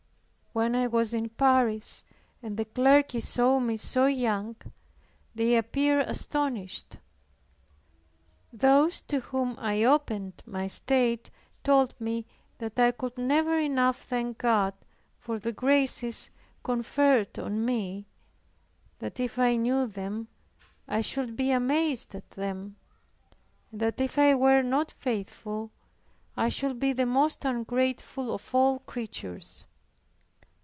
When I was in Paris, and the clergy saw me so young, they appeared astonished. Those to whom I opened my state told me, that I could never enough thank God for the graces conferred on me; that if I knew them I should be amazed at them; and that if I were not faithful, I should be the most ungrateful of all creatures.